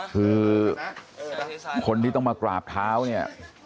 คือคนที่ต้องมากราบเท้าเนี่ย